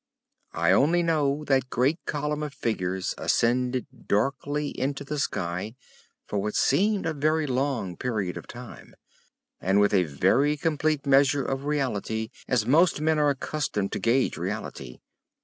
I only know that great column of figures ascended darkly into the sky for what seemed a very long period of time, and with a very complete measure of reality as most men are accustomed to gauge reality.